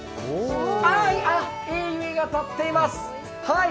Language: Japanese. いい匂いがたっています。